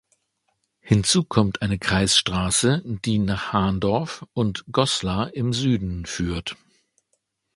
Hinzu kommt eine Kreisstraße, die nach Hahndorf und Goslar im Süden führt.